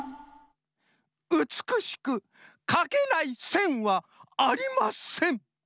うつくしくかけないせんはありません。